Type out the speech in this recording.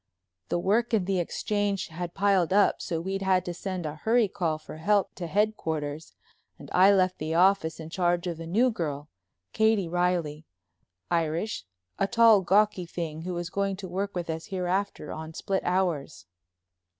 The work in the Exchange had piled up so we'd had to send a hurry call for help to headquarters and I left the office in charge of a new girl, Katie Reilly, Irish, a tall, gawky thing, who was going to work with us hereafter on split hours.